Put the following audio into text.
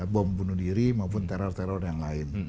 bom bunuh diri maupun teror teror yang lain